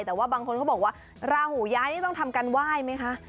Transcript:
แต่ว่าบางคนเขาบอกว่าราหูย้ายนี่ต้องทำการไหว้ไหมคะ